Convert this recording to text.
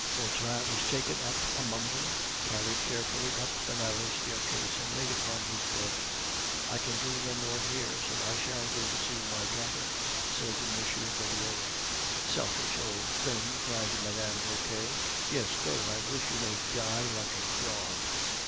Vautrin was taken up among them, carried carefully up the narrow staircase, and laid upon his bed. "I can do no good here, so I shall go to see my daughter," said M. Goriot. "Selfish old thing!" cried Mme. Vauquer. "Yes, go; I wish you may die like a dog."